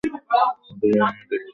ওদের আমিও দেখতে পাচ্ছি না।